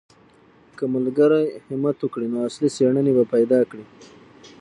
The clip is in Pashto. که ملګري همت وکړي نو اصلي څېړنې به پیدا کړي.